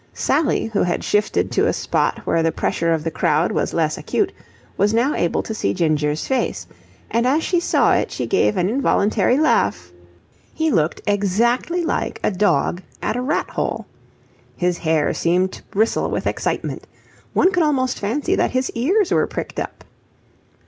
Sally, who had shifted to a spot where the pressure of the crowd was less acute, was now able to see Ginger's face, and as she saw it she gave an involuntary laugh. He looked exactly like a dog at a rat hole. His hair seemed to bristle with excitement. One could almost fancy that his ears were pricked up.